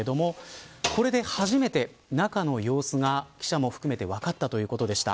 これで初めて中の様子が記者も含めて分かったということでした。